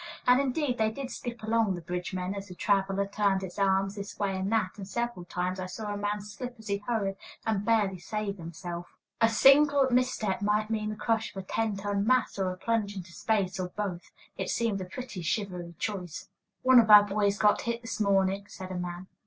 And, indeed, they did skip along, the bridge men, as the traveler turned its arms this way and that, and several times I saw a man slip as he hurried, and barely save himself. A single misstep might mean the crush of a ten ton mass, or a plunge into space, or both. It seemed a pretty shivery choice. "One of our boys got hit this morning," said a man.